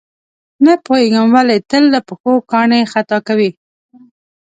نه پوهېږم ولې تل له پښو کاڼي خطا کوي.